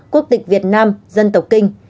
quốc tịch việt nam dân tộc kinh